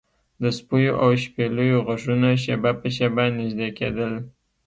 د سپیو او شپېلیو غږونه شیبه په شیبه نږدې کیدل